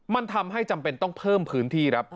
มันทำให้จำเป็นต้องเพิ่มพื้นที่ครับ